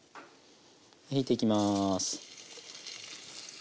入れていきます。